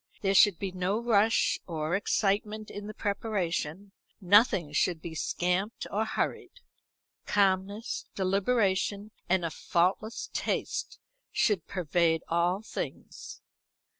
There should be no rush or excitement in the preparation; nothing should be scamped or hurried. Calmness, deliberation, and a faultless taste should pervade all things.